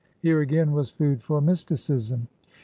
Here, again, was food for mysticism.